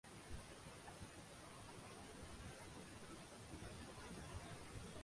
Antony Stockholm এর প্রথম president নির্বাচিত হন।